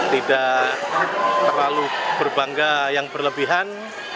tidak terlalu berbangga yang berlebihan